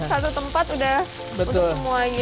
satu tempat udah untuk semuanya